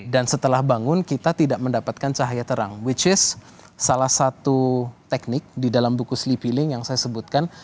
dan setelah bangun kita tidak mendapatkan cahaya terang which is salah satu teknik di dalam buku sleepy ling yang saya sebutkan